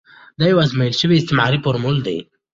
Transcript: دا یو ازمویل شوی استعماري فورمول دی.